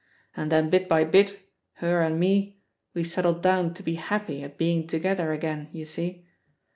And then bit by bit, her and me, we settled down to be happy at being together again, you see.